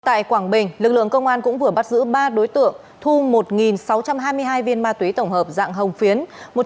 tại quảng bình lực lượng công an cũng vừa bắt giữ ba đối tượng thu một sáu trăm hai mươi hai viên ma túy tổng hợp dạng hồng phiến